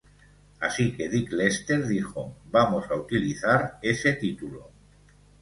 Así que Dick Lester dijo: 'Vamos a utilizar ese título.